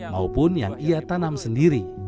maupun yang ia tanam sendiri